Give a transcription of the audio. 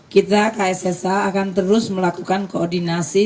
kita kssh akan terus melakukan koordinasi